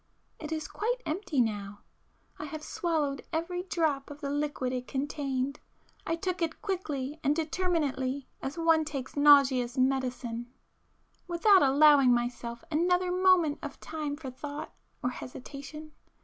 It is quite empty now. I have swallowed every drop of the liquid it contained,—I took it quickly and determinately as one takes nauseous medicine, without allowing myself another moment of time for thought [p 420] or hesitation.